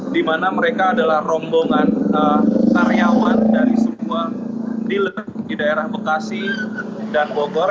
di mana mereka adalah rombongan karyawan dari semua di daerah bekasi dan bogor